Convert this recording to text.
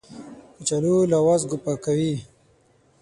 کچالو له وازګو پاکوي